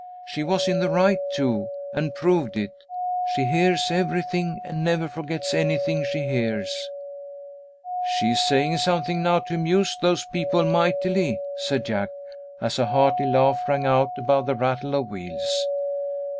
She was in the right, too, and proved it. She hears everything, and never forgets anything she hears." [Illustration: "'I THOUGHT WE'D NEVAH, NEVAH GET HEAH!'"] "She's saying something now to amuse those people mightily," said Jack, as a hearty laugh rang out above the rattle of wheels.